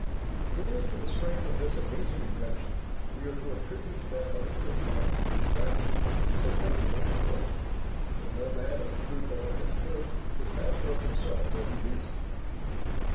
It is to the strength of this amazing invention we are to attribute that unequalled fire and rapture which is so forcible in Homer, that no man of a true poetical spirit is master of himself while he reads him.